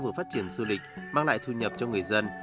vừa phát triển du lịch mang lại thu nhập cho người dân